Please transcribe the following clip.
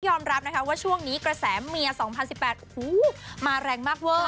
ยอมรับว่าช่วงนี้กระแสเมีย๒๐๑๘มาแรงมากเวิร์ด